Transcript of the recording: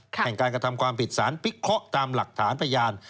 แห่งการกระทำความผิดสารพิเคราะห์ตามหลักฐานพยาน